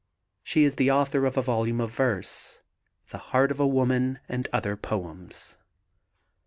She is the author of a volume of verse, The Heart of a Woman and other poems.